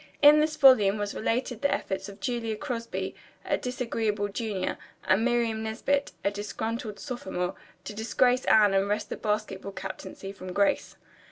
In this volume was related the efforts of Julia Crosby, a disagreeable junior, and Miriam Nesbit, a disgruntled sophomore, to disgrace Anne and wrest the basketball captaincy from Grace.